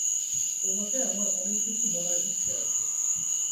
তোমাকে আমার অনেক কিছু বলার ইচ্ছে আছে।